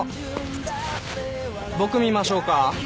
僕見ましょうか？